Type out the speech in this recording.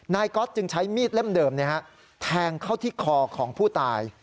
ก๊อตจึงใช้มีดเล่มเดิมแทงเข้าที่คอของผู้ตาย